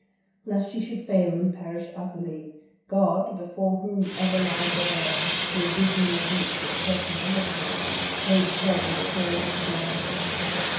Lest she should fail and perish utterly, God, before whom ever lie bare The abysmal deeps of Personality, Plagued her with sore despair.